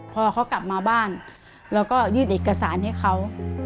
พอเขากลับมาบ้านเราก็ยื่นเอกสารให้เขา